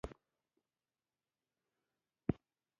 چرګان د ښکار احساس لري.